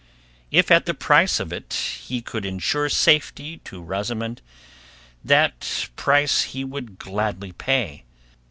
If at the price of it he could ensure safety to Rosamund, that price he would gladly pay.